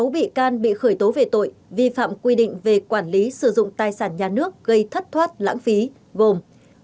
sáu bị can bị khởi tố về tội vi phạm quy định về quản lý sử dụng tài sản nhà nước gây thất thoát lãng phí gồm